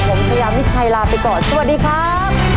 ผมชายามิชัยลาไปก่อนสวัสดีครับ